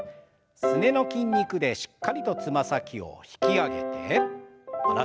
すねの筋肉でしっかりとつま先を引き上げて下ろして。